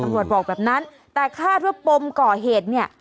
บอกแบบนั้นแต่คาดว่าปมก่อเหตุเนี่ย